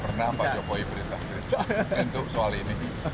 gak pernah pak jokowi berintah intah untuk soal ini